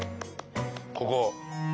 ここ。